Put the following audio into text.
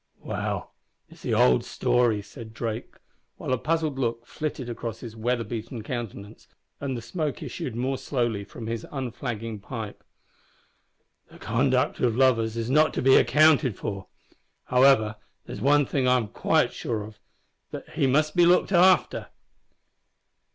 "Well, it's the old story," said Drake, while a puzzled look flitted across his weather beaten countenance, and the smoke issued more slowly from his unflagging pipe, "the conduct o' lovers is not to be accounted for. Howsever, there's one thing I'm quite sure of that he must be looked after."